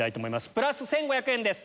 プラス１５００円です。